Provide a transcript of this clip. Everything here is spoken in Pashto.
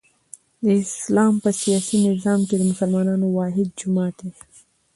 د اسلام په سیاسي نظام کښي د مسلمانانو واحد جماعت يي.